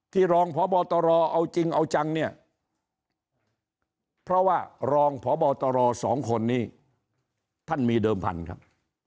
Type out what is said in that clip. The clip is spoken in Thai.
รองพบตรเอาจริงเอาจังเนี่ยเพราะว่ารองพบตรสองคนนี้ท่านมีเดิมพันธุ์ครับ